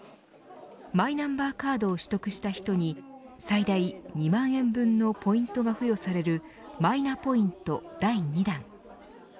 マイナンバーカードを取得した人に最大２万円分のポイントが付与されるマイナポイント第２弾。